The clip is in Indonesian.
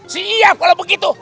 siap kalau begitu